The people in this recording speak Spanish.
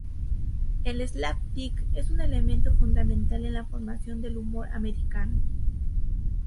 El slapstick es un elemento fundamental en la formación del humor americano.